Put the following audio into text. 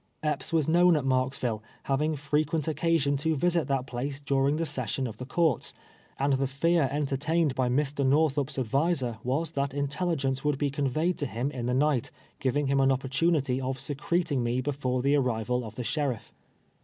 Epps was known at Marksville, having frequent occasion to visit that place during the session of the courts, and the fear entertained by Mr. jSTorthup's adviser was, that intelligence would be conveyed to him in the night, giving him an opportunity of secreting me be fore the arrival of the sheriff.